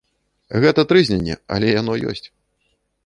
Гэта трызненне, але яно ёсць.